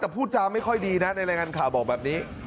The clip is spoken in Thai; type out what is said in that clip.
แต่พูดจาไม่ค่อยดีนะในรายงานข่าวบอกแบบนี้